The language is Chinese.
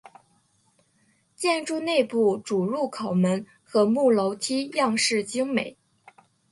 建筑内部主入口门和木楼梯样式精美。